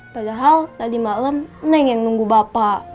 padahal tadi malam neng yang nunggu bapak